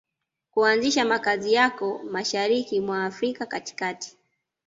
kuanzisha makazi yako Mashariki mwa Afrika katikati